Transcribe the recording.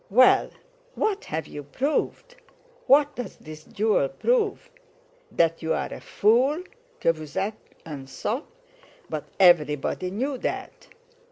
Well, what have you proved? What does this duel prove? That you're a fool, que vous êtes un sot, but everybody knew that.